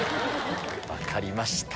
分かりました。